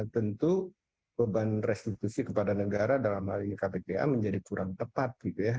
tentu beban restitusi kepada negara dalam hal ini kppa menjadi kurang tepat gitu ya